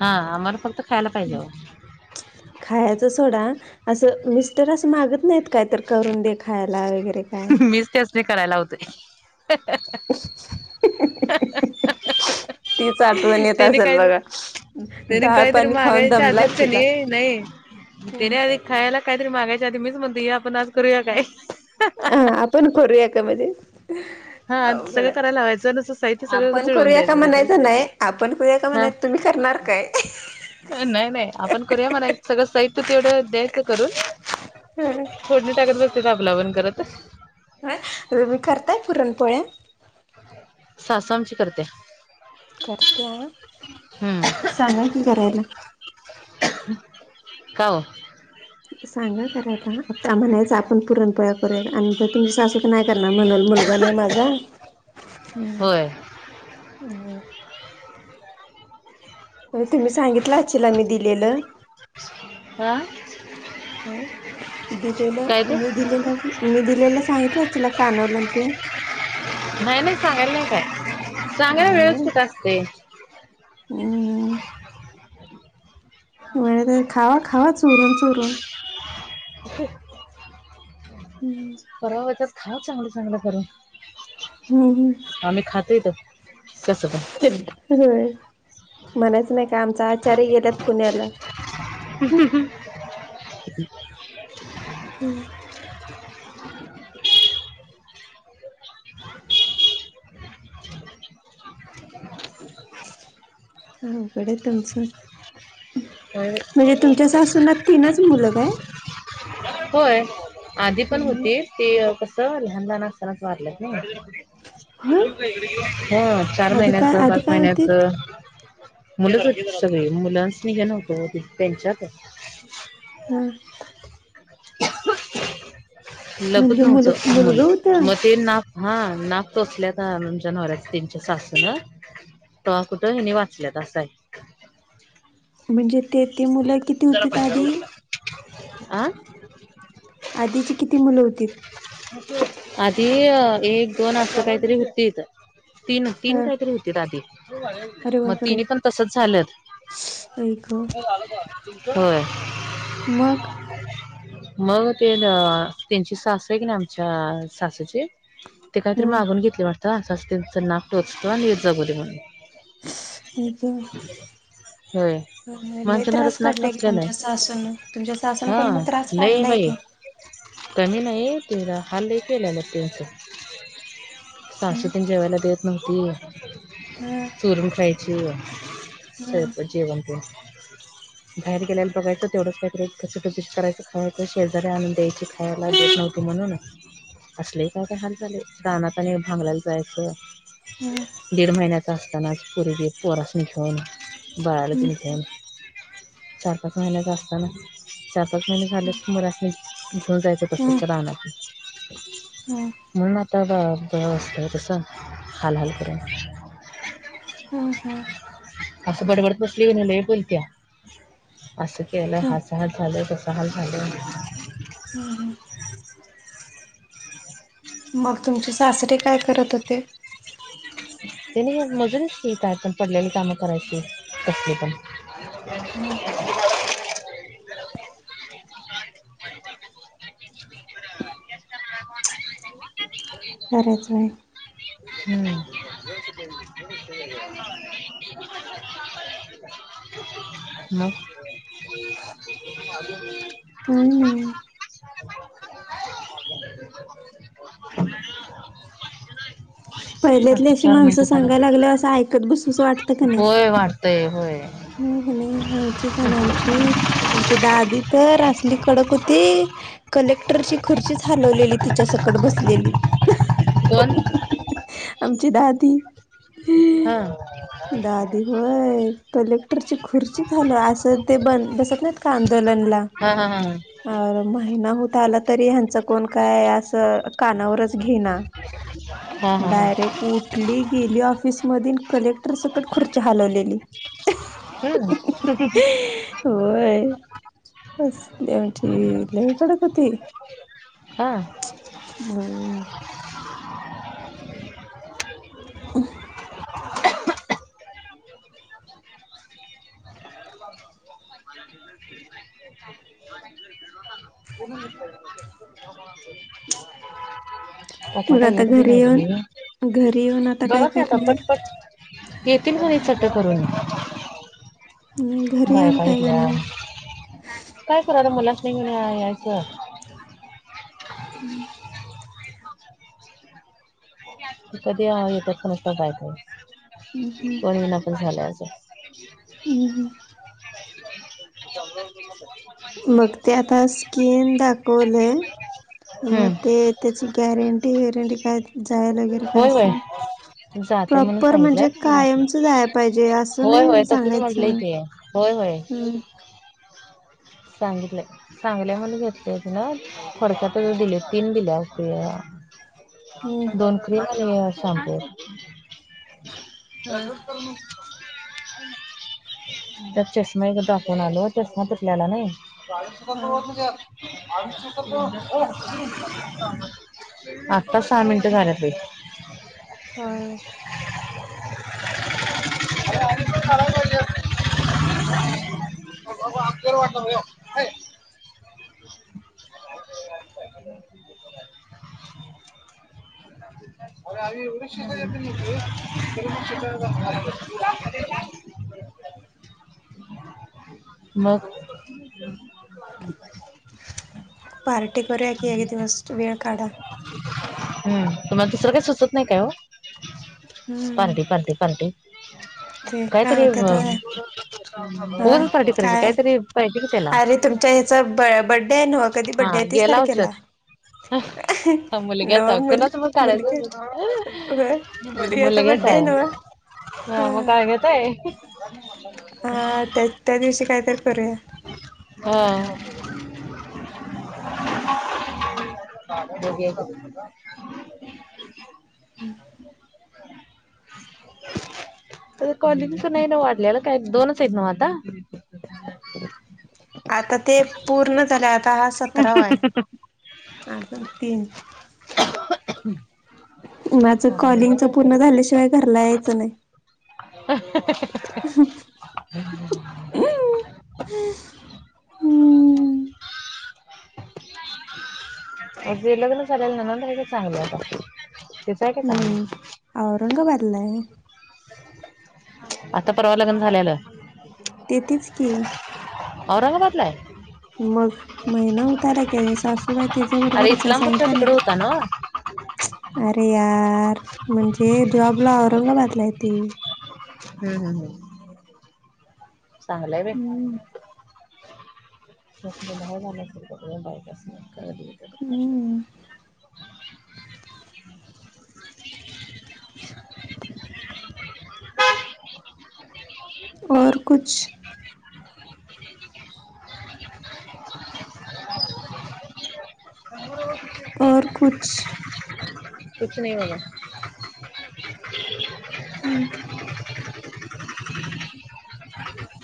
हा आम्हाला फक्त खायला पाहिजे. खायच सोडा असं मिस्टर असं मागत नाहीत काय तर करून देखायला वगैरे. काय मीच त्याच नाही करायला लावतोय. [inaudible] तीच आठवण येत त्याने असेल काय बघा त्याने डाळ काहीतरी पाणी खाऊन मागायच्या आधीच दमलाशिला. कणी नाही त्याने आधी खायला काहीतरी मागायच्या आधी मीच म्हणतेय आपण आज करूया काय ह आपण करूया याकामध्येध्ये- हा अवघड सगळं करायला लावायचं नुसतं साहित्य सगळं आपण जुळवून करूया का द्यायचं तिथं. म्हणायचं नाही आपण करूया का हा. म्हणायच. तुम्ही करणार काय? नाही नाही आपण करूया म्हणा सगळं साहित्य तेवढं द्यायचं करून. थोडणी टाकत बसते त आपलावण करत ह मी करताय पुरणपोळ्या? सासु आमची करता. करत्या हम्म सांगा कि करायला. का ओ? सांगा करायला आ आमच आपण पुरणपोळा करूया आणि तुमची सासूक नाही. त्यांना म्हणल मुलगा नाय माझा होय. हम्म. तुम्ही सांगितलं असिला मी दिलेलं आं हम काय दिलेलं ते? मी दिलेलं मी दिलेलं सांगितलं तिला कानवलं आणि ते नाही नाही सांगायला नाही काय चांगय वेळेच कुठ असते. ह म्ह तर खावा खावा चोरून चोरून हम्म परवा होतच. खावा चांगलं चांगलं करून. हम्म हम्म आम्ही खातो इथं कसं पण [inaudible] होय म्हणायच नाही का आमचा आचारी गेल्यात पुण्याला. ह ह हम्म [inaudible] हाकडे तुमचं होय म्हणजे तुमच्या सासून ना तीनच मुल काय? होय आधी पण तीन होती ते कस लहान लहान असतानाच वारलंत नाही. होय हम्म चार आधी काय महिन्याचं आधी पाच काय होतीत? महिन्याच मुलंच होतीत सगळी मुलांसनी हे नव्हतं ओ तिथ त्यांच्यात हम्म लघुत म्हणजे मुल नव्हतं मूल मुलगं होतं मग ते ना हा नाक टोचल्यात आमच्या नवऱ्याच तेनच्या सासून. तवा कुठं हेनी वाचल्यात असं हाय. म्हणजे तेथे मुलं किती होतीत आधी? आं‌ [inaudible] आधीची किती मुलं होतीत? आधी अं एक दोन असं काय तरी हुतीत. तीन तीन हा. काहीतरी हुतीत आधी अरे मग बापरे! तिन्ही पण तसच झालं. आई गं. होय. मग मग ते अं. त्यांची सासू आहे कनी आमच्या सासूची ते काहीतरी हा मागून घेतली वाटत. असं असं त्याच नाक टोचतो आणि जगुदे म्हणून [unintelligible] आई गं. होय. मग लई आमच्या त्रास नवऱ्याचं नाक काढलाय की टोचलेलं तुमच्या आहे सासून तुमच्या सासून पण हा मग त्रास लय काढलाय बाई की. कमी नाही तेला हाल लई केलेलं त्याचं. सासु तेन जेवायला देत नव्हती. हा. चोरून खायची हम्म [unintelligible] जेवण तेन. बाहेर गेल्यायला बघायचं तेवढंच काहीतरी चुटुकदिशी करायचंं खायच शेजारी आणून द्यायचे. खायला देत नव्हती म्हणून अस लई काय काय हाल झाले रानात आणि भांगलायला जायचं. हम्म दीड महिन्याच असतानाच पुरगी पोरासनी घेऊन. बाळाला हम्म तेन घेऊन. चार पाच महिन्याच असताना चार पाच महिने झाले की [unintelligible] घेऊन जायचं हम्म तसंच रानात हम्म म्हणून आता [unintelligible] तसं हाल हाल करून हम्म हम्म. असं बडबडत बसली कणी लई बोलत्या असं केलं हम्म. असं हाल खाल्ल तसं. हाल झालं. हम्म हम्म. मग तुमचे सासरे काय करत होते. तेनी होय मजुरीचं की काय पण पडलेली कामं करायची कसली पण [inaudible] [unintelligible] खरंच आहे. हम्म. [unintelligible] मग [inaudible] काय नाही. [inaudible] [inaudible] [inaudible] पहिल्यातली आता अशी चार माणसं मिनिटं झाला. सांगाय लागल्याव असं ऐकत बसूस वाटत. होय वाढतय होय. [unintelligible] आमची दादी तर असली कडक होती. कलेक्टरची खुर्चीच हलवलेली तिच्या सकट बसलेली. कोण? आमची दादी. हा. दादी होय कलेक्टरची खुर्ची झाल असं ते बन बसत नाही. आंदोलनला हा हा हा अ महिना होत आला तरी ह्यांचं कोण काय असं कानावरच घेना. हा हा हा डायरेक्ट. उठली गेली ऑफिसमधी न कलेक्टर सकट खुर्ची हलवलेली. होय. व्हय असली आमची लय कडक होती. हा. [unintelligible] [inaudible] मग पताता आता येत बी घरी येऊन नाही बघ घरी येऊन आता काय जेवा की आता करणार पटपट. येतील कोणी चट करून. आणि घरी येऊन बायका काय इथल्या करणार? काय कराला मुलास्नी [unintelligible] यायचं. हम्म. कधी येतात प नसतायत हम् नाही कोण विना पण झालं अजं [inaudible] हम्म. [unintelligible] मग ते आता स्किन दाखवले मग ते हम्म त्याची गॅरंटी वेरंटी काय जायल वगैरे काय होय होय असं. जाते म्हणून प्रॉपर म्हणजे सांगितल्यात कायमच जायला पाहिजे असं होय होय नाही तसच म्हटलंय सांगायचं. की होय होय. ह सांगितलं. चांगल्या म्हण भेते ति ना फोडक्यात दिले तीन दिल्या असती. हम्म दोन क्रीम आणि अं शॅम्पू. हा [unintelligible] त्या चष्माच दाखवून आलो. चष्मा तुटल्याला नाही. हा आत्ता सहा मिनिटं झाल्यात बाई. होय. [unintelligible] [unintelligible] [unintelligible] मग पार्टी कररकी हगतीव अ अस वेळ काढा. हम्म तुम्हाला दुसरं काही सुचत नाही काय हो हम्म पार्टी पां्टी पार्टी. ते काय कायतरी. म्हणते न तर होय पाठी कराये काय काहीतरी पाहिजे की त्याला. अरे तुमच्या ह्याचा ब बड्डे हाय न्हव. हा गेला. [unintelligible] ह ह नव मुलग्याचाय मुल कुणासमोर मुलगी काढायच. होय मुलग्याचा मुलग्याच बड्डे आहे नव्ह हा ह मग काय न्हेताय हा त्या त्या दिवशी कायतरी करूया. हा. [inaudible] [unintelligible] हम् [unintelligible] तर कवालिजीच नाही ना वाढलेला काय दोनच आहेत ना आता. आता ते पूर्ण झाले आता. सतरा वय अठज तीन. माझं कॉलिंग च पूर्ण झाल्यावा शिवाय घरला यायचं नाही. हम्म [inaudible] तेे लग्न झालेला ना, [unintelligible] चांगलं आता. आहे का हम्म चांगलं औरंगाबादलाय? आता परवा लग्न झालेलं. ते तेथच की. औरंगाबादलाय? मग महिना होत आलाय क सासूबाई त्याच्या अरे बरोबरच आहे इस्लामपूरच्या सांगितलं तिकडे ना. होता पच, अरे यार म्हणजे जॉबला औरंगाबादला ये ती. हम्म हम् हम् चांगलंय बाय. हम्म. बाहेर झा बायक [inaudible] हम्. और कुछ? और कुछ? कुछ नहीं होगा. हम्.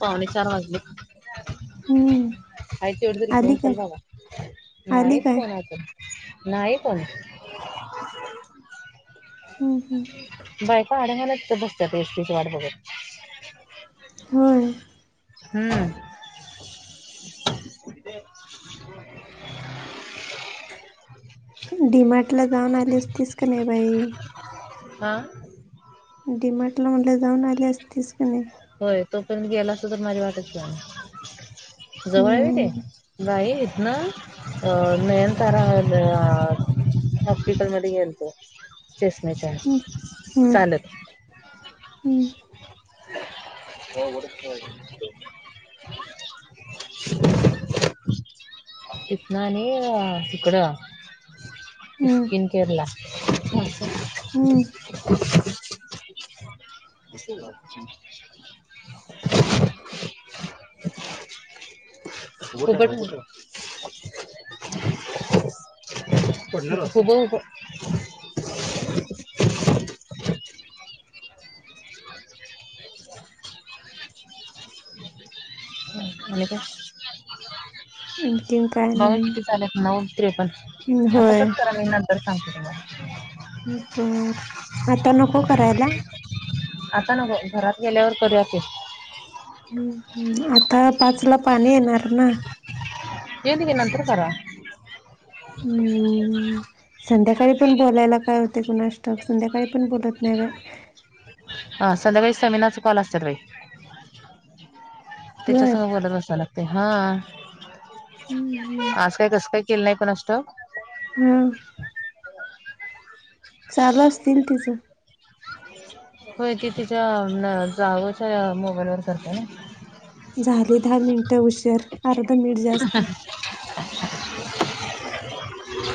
पावणे चार वाजले. हम्म. आय ते एवढ तरी आली घेऊन चल काय बाबा, आली नाही काय? फोण आता, नाही फोन हम् हम्. बायका [unintelligible] अडंगना बसत्यात एसटीची वाट बगत. होय. हम्म. डीमार्ट ला जाऊन आली स, तीस का नाई बाई? हां? डीमार्टल म्हनले जाऊन आली असतीस का नाई? होय तोपर्यंत गेला असं तर माझी वाट्याची बी आन. जवळ वय हम्म ते बाई. न अ नयन तारा अं न हॉस्पिटलमधे गेलतो, चषम्याच्या हम्म हम्म चालत. हम्म. हो गड [inaudible] [unintelligible] इथंन आणि हीकडं. [unintelligible] हम्म स्किन केअरला. हम्म [inaudible] [unintelligible] [unintelligible] उभं उभ [inaudible] [inaudible] आणि काय? आनकीन काय नाय. जालेत नऊ त्रेपण, आता श [unintelligible] करा मी नंतर सांगते तुम्हाला. ह्म बर आता नको करायला? आता न गो घरात गेल्यावर करूयाके. ह्म आता पाच ला पाणी येणार ना? येऊंदेकि नंतर करा. हम. संध्याकाळी पण बोलायला काय होतय कुणास ठाउक? संध्याकाळी पण बोलत नाही व्हय. हा संध्याकाळी सेमिनारचं कॉल असत्यात बाई. बर त्याच्यासंग बोलत बसाय लागतय, हा हम्म, हम्म. आज काय कसं काय? केलं नाही कुणास ठाऊक. हम. चालू असतील तिचं. होय, ती तिच्या जावंच्या मोबाईल वर करतत्याना. झाली दहा मिनिटं हुश्शर अर्धा मिनिट जास्त [inaudible]